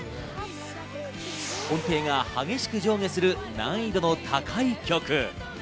音程が激しく上下する難易度の高い曲。